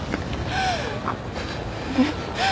えっ。